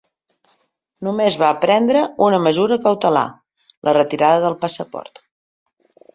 Només va prendre una mesura cautelar, la retirada del passaport.